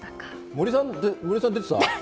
森さん、出てた？